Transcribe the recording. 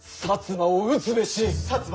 摩を討つべし！